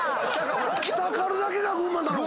北軽だけが群馬なのか。